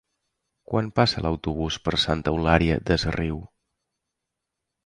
Quan passa l'autobús per Santa Eulària des Riu?